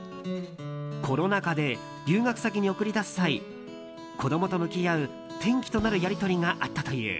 コロナ禍で、留学先に送り出す際子供と向き合う転機となるやり取りがあったという。